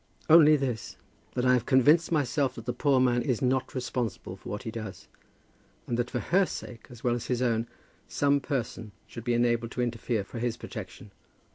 "Only this, that I have convinced myself that the poor man is not responsible for what he does, and that for her sake as well as for his own, some person should be enabled to interfere for his protection."